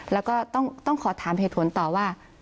แล้วก็ต้องขอถามเหตุผลต่อว่า